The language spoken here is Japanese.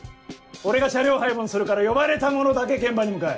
俺が車両配分するから呼ばれた者だけ現場に向かえ。